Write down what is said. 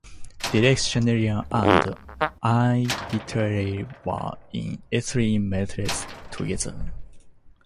Derek Sherinian and Al Pitrelli were in Ethyl Mertz together.